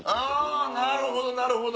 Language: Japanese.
なるほどなるほど！